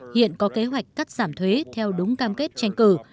hiện có kế hoạch cắt giảm thuế theo đúng cam kết tranh cử